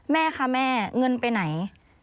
แม่คะแม่เงินไปไหน